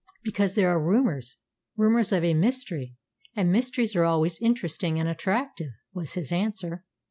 "Because there are rumours rumours of a mystery; and mysteries are always interesting and attractive," was his answer.